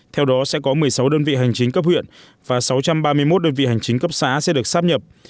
theo đó sẽ có một mươi sáu đơn vị hành chính cấp huyện và sáu trăm ba mươi một đơn vị hành chính cấp xã sẽ được sắp nhập